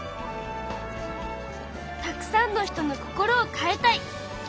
たくさんの人の心を変えたい。